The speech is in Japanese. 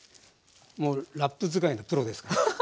もうラップ使いのプロですから。